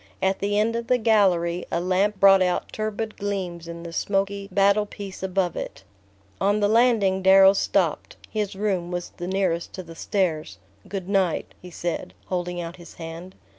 At the end of the gallery, a lamp brought out turbid gleams in the smoky battle piece above it. On the landing Darrow stopped; his room was the nearest to the stairs. "Good night," he said, holding out his hand.